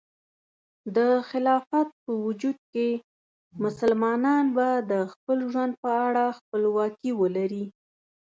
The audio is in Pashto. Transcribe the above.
د خلافت په وجود کې، مسلمانان به د خپل ژوند په اړه خپلواکي ولري.